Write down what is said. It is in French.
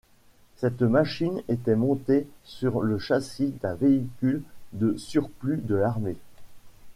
Cette machine était montée sur le châssis d'un véhicule de surplus de l'armée.